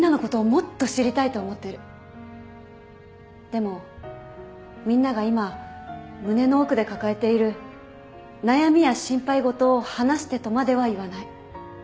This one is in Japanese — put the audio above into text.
でもみんなが今胸の奥で抱えている悩みや心配事を話してとまでは言わない。